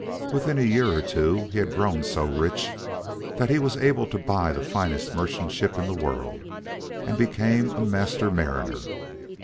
Within a year or two he had grown so rich that he was able to buy the finest merchant ship in the world, and became a master mariner.